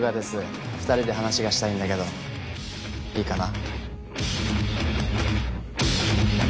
２人で話がしたいんだけどいいかな？